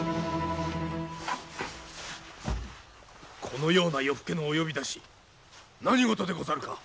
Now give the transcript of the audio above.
このような夜更けのお呼び出し何事でござるか？